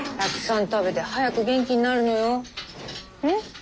ん？